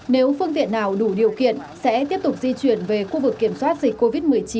nếu phương tiện nào đủ điều kiện sẽ tiếp tục di chuyển về khu vực kiểm soát dịch covid một mươi chín